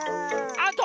あと！